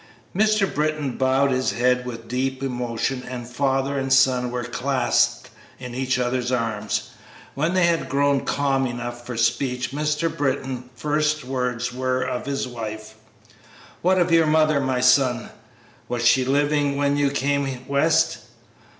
Mr. Britton bowed his head with deep emotion, and father and son were clasped in each other's arms. When they had grown calm enough for speech Mr. Britton's first words were of his wife. "What of your mother, my son, was she living when you came west?"